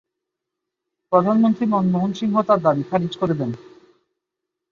প্রধানমন্ত্রী মনমোহন সিংহ তার দাবি খারিজ করে দেন।